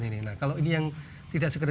ini kalau ini yang tidak segera